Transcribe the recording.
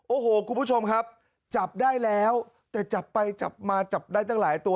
โอ้โหคุณผู้ชมครับจับได้แล้วแต่จับไปจับมาจับได้ตั้งหลายตัว